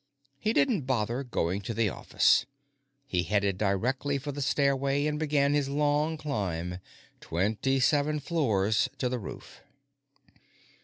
He didn't bother going to the office; he headed directly for the stairway and began his long climb twenty seven floors to the roof.